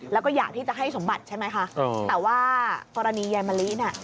แล้วก็อยากที่จะให้สมบัติใช่ไหมคะแต่ว่ากรณียายมะลิน่ะ